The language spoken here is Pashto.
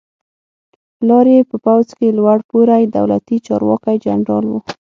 پلار یې په پوځ کې لوړ پوړی دولتي چارواکی جنرال و.